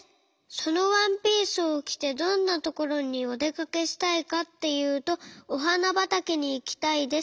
そのワンピースをきてどんなところにおでかけしたいかっていうとおはなばたけにいきたいです。